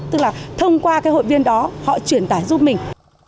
tức là thông qua cái hội viên đó họ truyền tải giúp mình